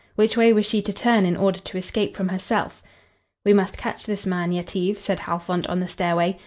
Which way was she to turn in order to escape from herself? "We must catch this man, Yetive," said Halfont, on the stairway.